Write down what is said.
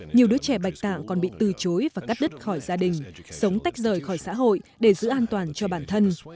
nhiều đứa trẻ bạch tạng còn bị từ chối và cắt đứt khỏi gia đình sống tách rời khỏi xã hội để giữ an toàn cho bản thân